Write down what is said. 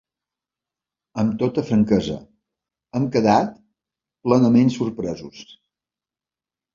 Amb tota franquesa, hem quedat plenament sorpresos.